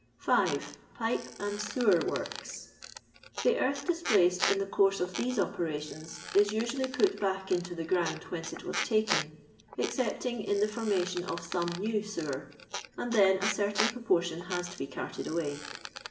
5. Pipe and Sewer Worh.— The earth dis placed in the course of thest operations is usually put back into the ground whence it was taken, excepting in the formation of some new sewer, and then a certain proportion has to be carted away.